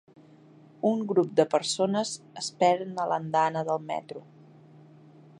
Un grup de persones esperen a l'andana del metro